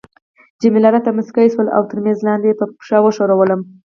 جميله راته مسکی شول او تر میز لاندي يې په پښه وښورولم.